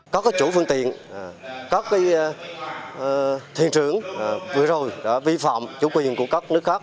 có chủ phương tiện có thuyền trưởng vừa rồi vi phạm chủ quyền của các nước khác